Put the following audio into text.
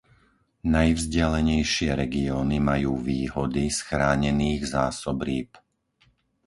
Najvzdialenejšie regióny majú výhody z chránených zásob rýb.